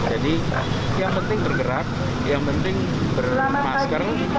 jadi yang penting bergerak yang penting bermasker